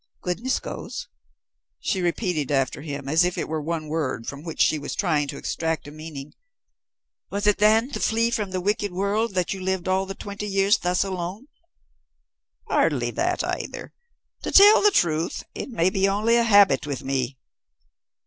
"Goodnessgoes!" She repeated after him as if it were one word from which she was trying to extract a meaning. "Was it then to flee from the wicked world that you lived all the twenty years thus alone?" "Hardly that, either. To tell the truth, it may be only a habit with me."